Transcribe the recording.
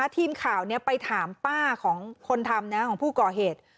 ทีมข่าวไปถามป้าของคนทำของผู้ก่อเหตุ